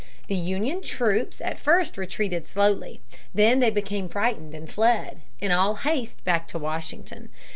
The Union troops at first retreated slowly. Then they became frightened and fled, in all haste, back to Washington.